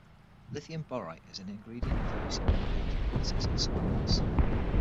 Lithium borate is an ingredient for use in making glasses and ceramics.